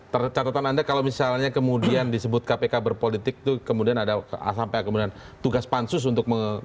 tercatatan anda kalau misalnya kemudian disebut kpk berpolitik itu kemudian ada asam paha kemudian tugas pansus untuk menurut anda